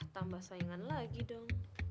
tambah saingan lagi dong